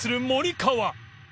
川）